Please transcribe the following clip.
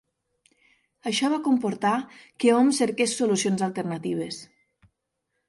Això va comportar que hom cerques solucions alternatives.